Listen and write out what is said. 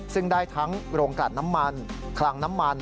ซึ่งได้ทั้งโรงกลัดน้ำมันคลังน้ำมัน